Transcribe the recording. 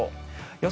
予想